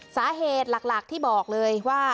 สาเหตุหลักที่บอกเลยว่า